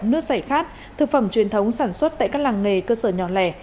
nước sảy khát thực phẩm truyền thống sản xuất tại các làng nghề cơ sở nhỏ lẻ